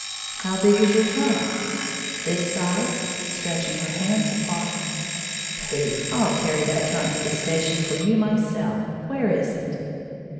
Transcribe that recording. "How big is your trunk?" "This size," stretching her hands apart. "Pooh, I'll carry that trunk to the station for you, myself. Where is it?"